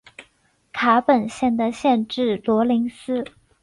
卡本县的县治罗林斯。